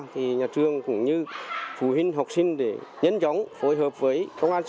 thì nhà trường cũng như phụ huynh học sinh để nhấn chống phối hợp với công an xã